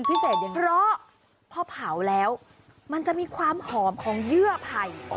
เพราะพอเผาแล้วมันจะมีความหอมของเยื่อไผ่